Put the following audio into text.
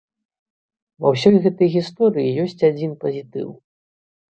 Ва ўсёй гэтай гісторыі ёсць адзін пазітыў.